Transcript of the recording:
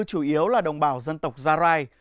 chủ yếu là đồng bào dân tộc gia lai